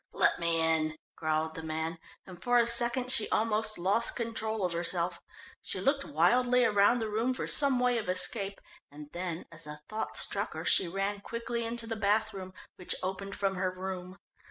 "Let me in," growled the man, and for a second she almost lost control of herself. She looked wildly round the room for some way of escape, and then as a thought struck her, she ran quickly into the bath room, which opened from her room.